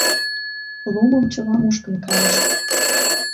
Лумым чыла мушкын кайыш.